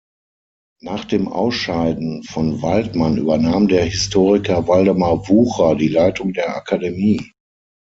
Nach dem Ausscheiden von Waldmann übernahm der Historiker Waldemar Wucher die Leitung der Akademie.